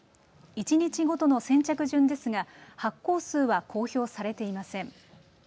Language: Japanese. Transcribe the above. １日ごとの先着順ですが発行数は公表されていません。